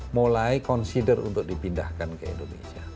mulai consider untuk dipindahkan ke indonesia